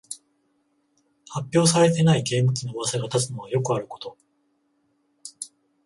発表されていないゲーム機のうわさが立つのはよくあること